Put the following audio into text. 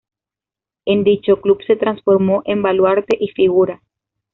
En dicho club se transformó en baluarte y figura.